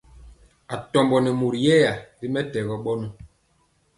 Atombo nɛ mori yɛya ri mɛtɛgɔ bɔnɔ.